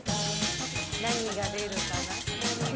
何が出るかな。